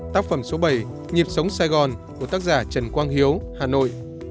tác phẩm số bảy nhịp sống sài gòn của tác giả trần quang hiếu hà nội